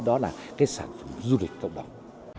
đó là sản phẩm du lịch cộng đồng